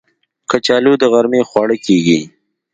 کچالو د غرمې خواړه کېږي